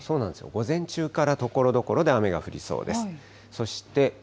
午前中から、ところどころで雨が降りそうです。